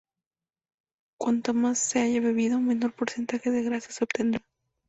Cuanta más se haya bebido, menor porcentaje de grasa se obtendrá.